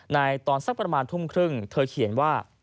ตอนสักประมาณทุ่มครึ่งเธอเขียนว่า